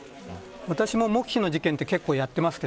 私も黙秘の事件は結構やっています。